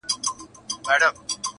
يوه ورځ نوبت په خپله د سلطان سو!!